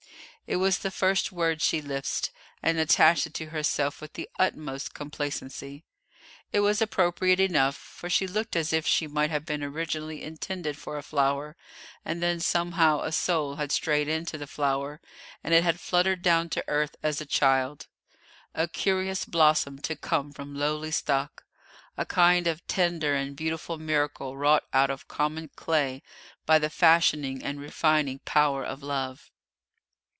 It was the first word she lisped, and she attached it to herself with the utmost complacency. It was appropriate enough, for she looked as if she might have been originally intended for a flower, and then somehow a soul had strayed into the flower, and it had fluttered down to earth as a child a curious blossom to come from lowly stock, a kind of tender and beautiful miracle wrought out of common clay by the fashioning and refining power of love.